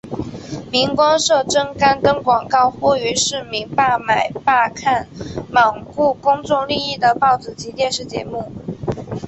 明光社曾刊登广告呼吁市民罢买罢看罔顾公众利益的报纸及电视节目。